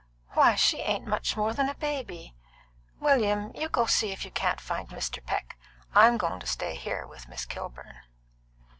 "Why, she ain't much more than a baby! William, you go and see if you can't find Mr. Peck. I'm goin' to stay here with Miss Kilburn."